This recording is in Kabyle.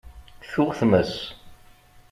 Tuɣ tmes.